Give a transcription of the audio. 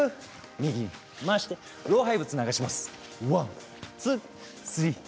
右に回して老廃物を流します。